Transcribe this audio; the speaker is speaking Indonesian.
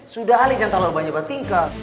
sudah ale jangan tahu banyak banyak tingkat